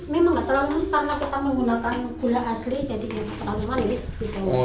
memang nggak terlalu karena kita menggunakan gula asli jadi terlalu manis gitu